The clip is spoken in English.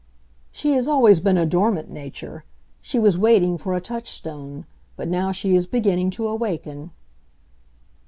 "She has always been a dormant nature. She was waiting for a touchstone. But now she is beginning to awaken."